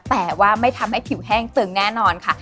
แต่ว่าไม่ทำให้ผิวแห้งตึงแน่นอนค่ะ